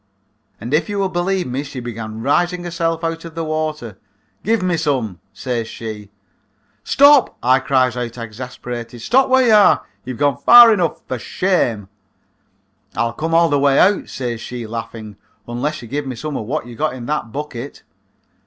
And if you will believe me she began raising herself out of the water. 'Give me some,' says she. "'Stop,' I cries out exasperated; 'stop where you are; you've gone far enough. For shame.' "'I'll come all the way out,' says she, laughing, 'unless you give me some of wot you got in that bucket.'